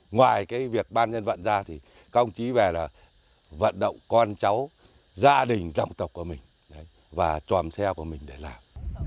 ngoài việc ban dân vận ra công chí về là vận động con cháu gia đình dòng tộc của mình và tròm xe của mình để làm